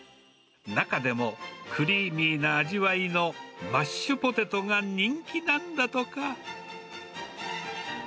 中でもクリーミーな味わいのマッシュポテトが人気なんだとか。